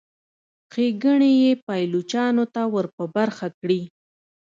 ښېګڼې یې پایلوچانو ته ور په برخه کړي.